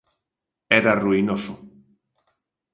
Era ruinoso.